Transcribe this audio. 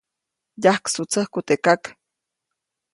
-Yajksutsäkä teʼ kak.-